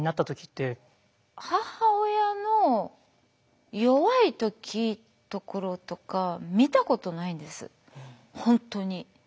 母親の弱い時ところとか見たことないんです本当に。